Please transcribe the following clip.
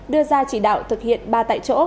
đưa ra chỉ đạo thực hiện ba tại chỗ